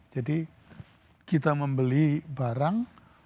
jadi kita membeli barang